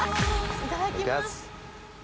いただきます。